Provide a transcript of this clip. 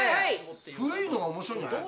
古いのが面白いんじゃない。